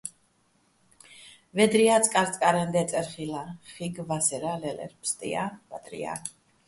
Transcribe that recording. ვედრია́ წკარწკარაჲნო̆ დე́წერ ხილ'აჼ, ხიგო̆ ვასერა́ ლე́ლერ, ფსტია́, ბადრია́.